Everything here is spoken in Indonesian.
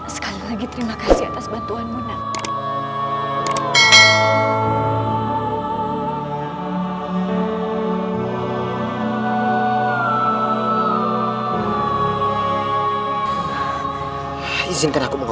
sekali lagi terima kasih atas bantuanmu nak